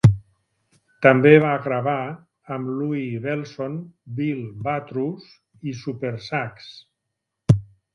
També va gravar amb Louie Bellson, Bill Watrous i Supersax.